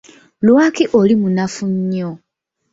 Lwaki oli munafu nnyo?